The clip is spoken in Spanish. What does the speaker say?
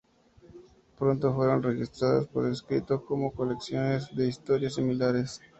Pronto fueron registradas por escrito como colecciones de historias similares.